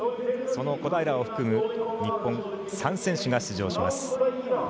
その小平を含む日本３選手が出場します。